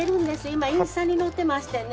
今インスタに載ってましてね。